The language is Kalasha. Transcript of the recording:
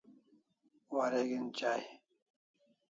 Wareg'in chai